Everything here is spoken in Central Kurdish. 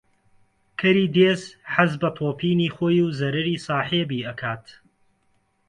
کەری دێز حەز بە تۆپینی خۆی و زەرەری ساحێبی ئەکات